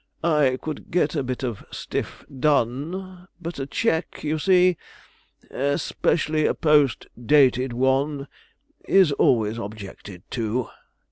'I could get a bit of stiff done, but a cheque, you see especially a post dated one is always objected to.'